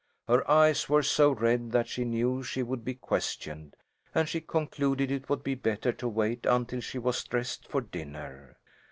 Her eyes were so red that she knew she would be questioned, and she concluded it would be better to wait until she was dressed for dinner.